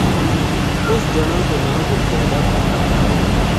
اس جنا کو ناں گل زادا تھو